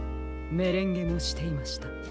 メレンゲもしていました。